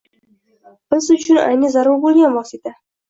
Biz uchun ayni zarur boʻlgan vosita.